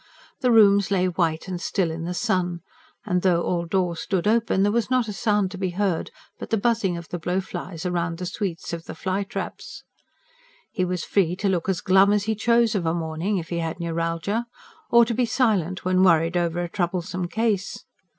The rooms lay white and still in the sun, and though all doors stood open, there was not a sound to be heard but the buzzing of the blowflies round the sweets of the flytraps. He was free to look as glum as he chose of a morning if he had neuralgia; or to be silent when worried over a troublesome case.